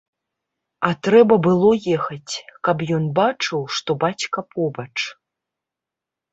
А трэба было ехаць, каб ён бачыў, што бацька побач.